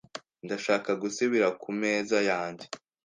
Ndashaka gusubira ku meza yanjye .